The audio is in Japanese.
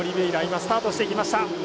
今、スタートしていきました。